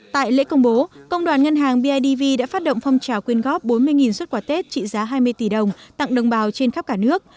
tại lễ công bố công đoàn ngân hàng bidv đã phát động phong trào quyên góp bốn mươi xuất quà tết trị giá hai mươi tỷ đồng tặng đồng bào trên khắp cả nước